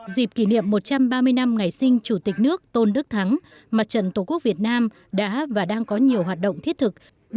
dịp kỷ niệm một trăm ba mươi năm ngày sinh chủ tịch nước tôn đức thắng mặt trận tổ quốc việt nam đã và đang có nhiều hoạt động thiết thực